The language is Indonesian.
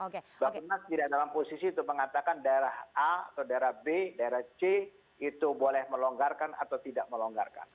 bapak nas tidak dalam posisi itu mengatakan daerah a atau daerah b daerah c itu boleh melonggarkan atau tidak melonggarkan